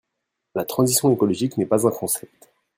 La transition écologique n’est pas un concept.